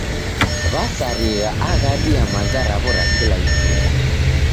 W'asarighaa aghadi ya maza raw'o ra kila ituku.